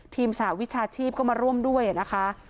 สหวิชาชีพก็มาร่วมด้วยนะคะ